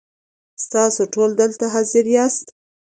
ستاسو ټول دلته حاضر یاست .